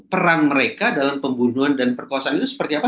peran mereka dalam pembunuhan dan perkosaan itu seperti apa